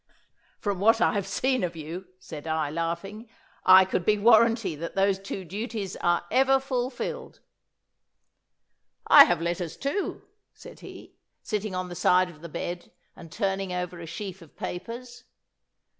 'From what I have seen of you,' said I, laughing, 'I could be warranty that those two duties are ever fulfilled.' 'I have letters, too,' said he, sitting on the side of the bed and turning over a sheaf of papers.